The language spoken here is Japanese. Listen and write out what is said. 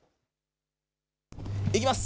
いきます。